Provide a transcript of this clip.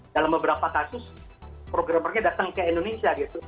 dalam beberapa kasus programmernya datang ke indonesia gitu